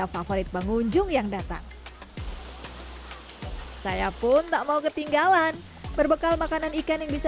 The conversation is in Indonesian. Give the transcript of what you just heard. favorit pengunjung yang datang saya pun tak mau ketinggalan berbekal makanan ikan yang bisa